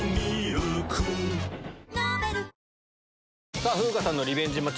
さぁ風花さんのリベンジマッチ